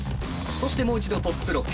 そしてもう一度トップロック。